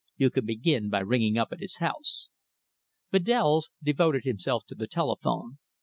You can begin by ringing up at his house." Bedells devoted himself to the telephone.